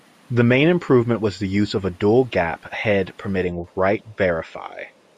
The main improvement was the use of a dual gap head permitting write verify.